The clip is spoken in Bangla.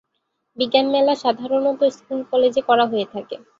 বিজ্ঞান মেলা সাধারণত স্কুল-কলেজে করা হয়ে থাকে।